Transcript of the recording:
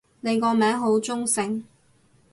你個名好中性